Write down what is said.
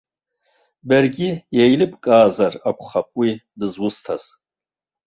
Баргьы еилыбкаазар акәхап уи дызусҭаз.